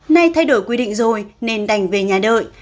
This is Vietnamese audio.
nay thay đổi quy định rồi nên đành về nhà đợi